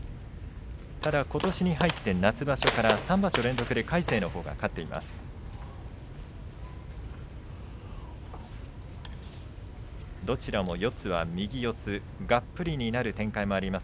ただ、ことしに入って夏場所から３場所連続で魁聖のほうが勝っています。